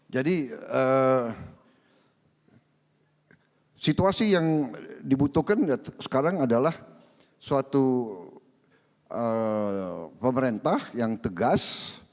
jadi situasi yang dibutuhkan sekarang adalah suatu pemerintah yang tegas